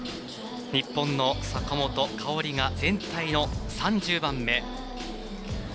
日本の坂本花織が全体の３０番目。